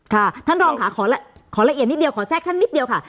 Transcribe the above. ค่ะท่านรองค่ะขอละเอียดนิดเดียวขอแทรกท่านนิดเดียวค่ะ